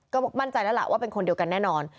ก็มั่นใจแล้วล่ะว่าเป็นคนเดียวกันแน่นอน